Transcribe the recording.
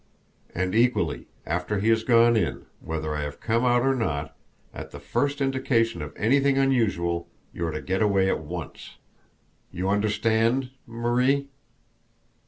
And, equally, after he has gone in, whether I have come out or not, at the first indication of anything unusual you are to get away at once. You understand Marie?"